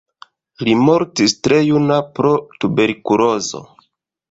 Li mortis tre juna pro tuberkulozo.